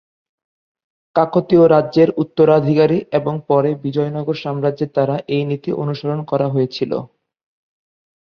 কাকতীয় রাজ্যের উত্তরাধিকারী এবং পরে বিজয়নগর সাম্রাজ্যের দ্বারা এই নীতি অনুসরণ করা হয়েছিল।